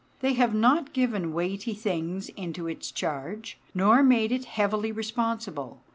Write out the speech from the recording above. They have not given weighty things into its charge, nor made it heavily responsible.